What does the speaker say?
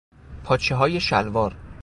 پاچههای شلوار